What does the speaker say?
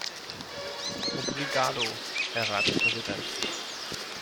Obrigado, Herr Ratspräsident.